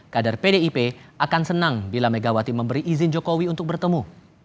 kader pdip akan senang bila megawati memberi izin jokowi untuk bertemu